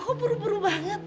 kok buru buru banget